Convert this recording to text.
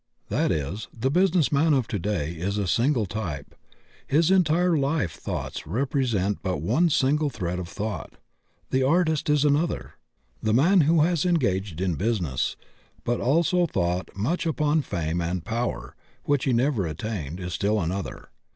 That is, the business man of to day is a single type; his entire life thoughts represent but one single thread of thought. The artist is another. The man who has engaged in business, but also thought much upon fame and power which he never attained, is still another.